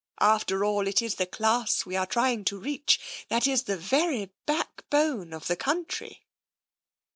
After all, it is the class we are trying to reach that is the very backbone of the country."